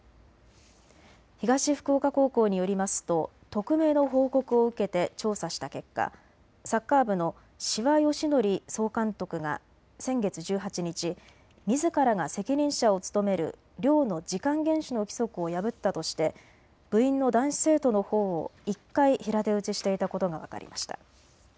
東福岡高校によりますと匿名の報告を受けて調査した結果、サッカー部の志波芳則総監督が先月１８日、みずからが責任者を務める寮の時間厳守の規則を破ったとして部員の男子生徒のほおを１回、平手打ちしていたことが分かりました。